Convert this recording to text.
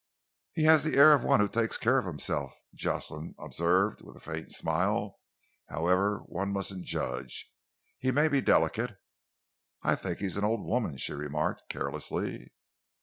"He has the air of one who takes care of himself," Jocelyn observed, with a faint smile. "However, one mustn't judge. He may be delicate." "I think he is an old woman," she remarked carelessly.